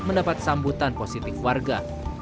mendapat sambutan positif warga